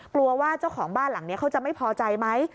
กลัวว่าเจ้าของบ้านหลังนี้เขาจะไม่พอใจไหม